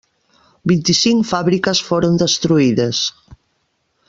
Vint-i-cinc fàbriques foren destruïdes.